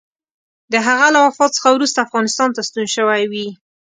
د هغه له وفات څخه وروسته افغانستان ته ستون شوی وي.